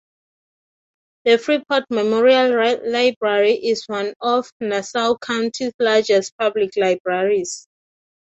The Freeport Memorial Library is one of Nassau County's largest public libraries.